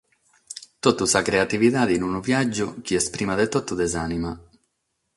Totu sa creatividade in unu viàgiu chi est prima de totu de s'ànima.